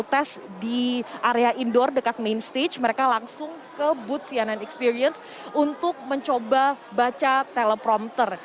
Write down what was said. tes di area indoor dekat main stage mereka langsung ke booth cnn experience untuk mencoba baca teleprompter